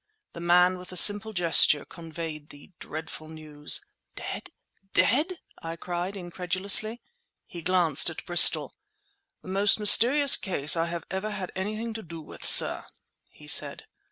The man, with a simple gesture, conveyed the dreadful news. "Dead! dead!" I cried incredulously. He glanced at Bristol. "The most mysterious case I have ever had anything to do with, sir," he said.